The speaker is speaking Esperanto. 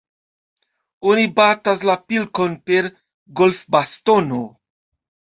Oni batas la pilkon per golfbastono.